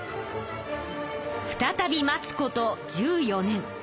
再び待つこと１４年。